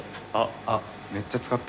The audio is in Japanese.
あっ「めっちゃ」使った。